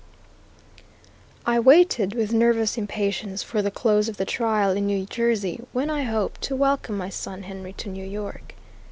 I waited with nervous impatience for the close of the trial in New Jersey, when I hoped to welcome my son Henry to New York.